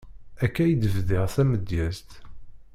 Akka i d-bdiɣ tamedyazt.